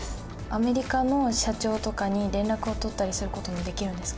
アメリカの社長とかに連絡を取ったりすることもできるんですか？